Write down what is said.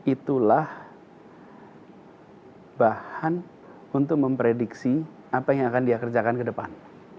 itulah bahan untuk memprediksi apa yang akan dia kerjakan ke depan